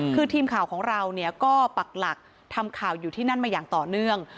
คือทีมข่าวของเราเนี่ยก็ปักหลักทำข่าวอยู่ที่นั่นมาอย่างต่อเนื่อง